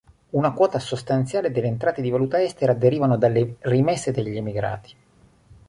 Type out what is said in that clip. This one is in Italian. Una quota sostanziale delle entrate di valuta estera derivano dalle rimesse degli emigrati.